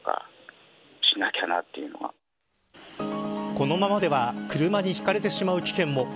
このままでは車にひかれてしまう危険も。